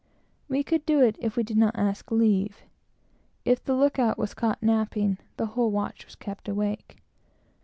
We could do it if we did not ask leave. If the look out was caught napping, the whole watch was kept awake.